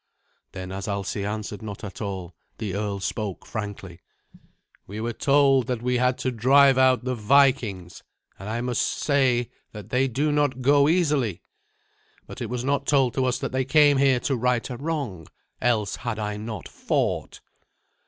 Then, as Alsi answered not at all, the earl spoke frankly. "We were told that we had to drive out the Vikings, and I must say that they do not go easily. But it was not told us that they came here to right a wrong, else had I not fought."